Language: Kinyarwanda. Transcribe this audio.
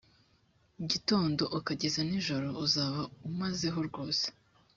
gitondo ukageza nijoro uzaba umazeho rwose